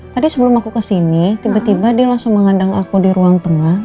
tadi sebelum aku kesini tiba tiba dia langsung mengandang aku di ruang tengah